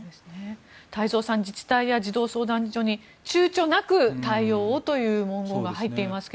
太蔵さん自治体や児童相談所に躊躇なく対応をという文言が入っていますが。